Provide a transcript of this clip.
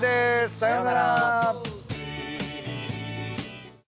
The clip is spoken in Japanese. さようなら。